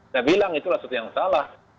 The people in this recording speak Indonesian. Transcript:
saya bilang itulah sesuatu yang salah